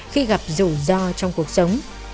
khi gặp rủi ro trong cuộc sống